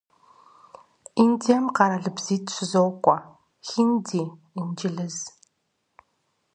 Индием къэралыбзитӀ щызокӀуэ: хинди, инджылыз.